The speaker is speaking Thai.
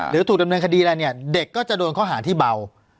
หรือถูกดำเนินคดีอะไรเนี่ยเด็กก็จะโดนข้อหาที่เบา